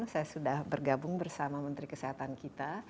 saya sudah bergabung bersama menteri kesehatan kita